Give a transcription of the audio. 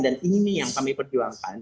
dan ini yang kami perjuangkan